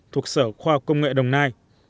thuộc sở khoa công nghệ đồng nai